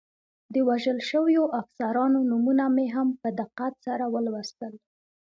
د وژل شویو افسرانو نومونه مې هم په دقت سره ولوستل.